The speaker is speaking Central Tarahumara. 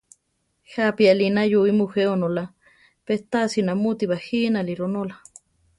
¿Jápi alí nayúi mujé onóla, pe tasi namuti bajínari ronóla?